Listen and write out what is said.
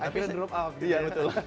ya itu juga